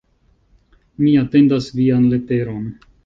Mi atendas vian leteron.